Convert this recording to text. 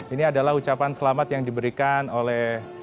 ini adalah ucapan selamat yang diberikan oleh